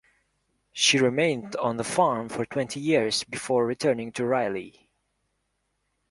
She remained on the farm for twenty years before returning to Raleigh.